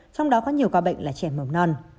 trong đó có nhiều ca bệnh là trẻ mầm non